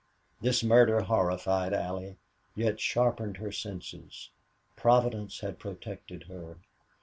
This murder horrified Allie, yet sharpened her senses. Providence had protected her.